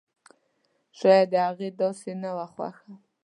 شايد د هغې داسې نه وه خوښه!